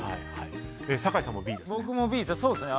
酒井さんもＢですね。